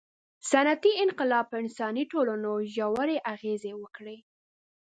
• صنعتي انقلاب پر انساني ټولنو ژورې اغېزې وکړې.